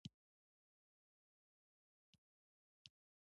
صحي عادتونه د اوږد ژوند سبب کېږي.